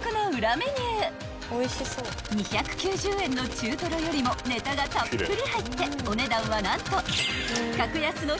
［２９０円の中トロよりもネタがたっぷり入ってお値段は何と格安の］